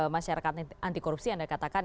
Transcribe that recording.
masyarakat anti korupsi yang dikatakan